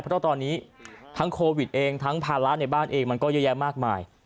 เพราะตอนนี้ทั้งโควิดเองทั้งภาระในบ้านเองมันก็เยอะแยะมากมาย